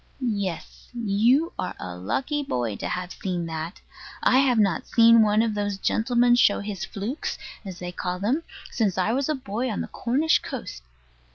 Yes. You are a lucky boy to have seen that. I have not seen one of those gentlemen show his "flukes," as they call them, since I was a boy on the Cornish coast.